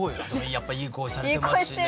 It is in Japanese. やっぱいい声されてますしね。